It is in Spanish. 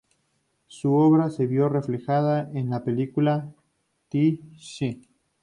Su obra se vio reflejada en la película "The Cell".